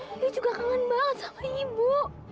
dia juga kangen banget sama ibu